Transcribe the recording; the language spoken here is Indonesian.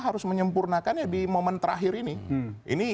harus menyempurnakannya di momen terakhir ini